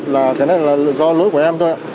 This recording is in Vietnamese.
là cái này là do lỗi của em thôi